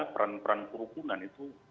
peran peran perhubungan itu